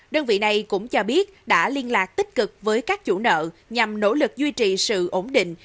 đơn vị này cũng cho biết đã liên lạc tích cực với các chủ nợ nhằm nỗ lực duy trì sự ổn định